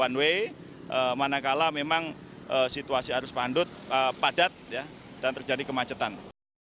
one way manakala memang situasi arus pandut padat dan terjadi kemacetan